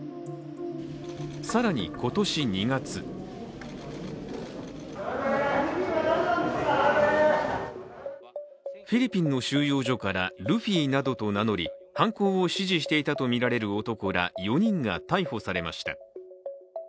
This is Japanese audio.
更に、今年２月フィリピンの収容所からルフィなどと名乗り犯行を指示していたとみられる男ら４人が逮捕されました。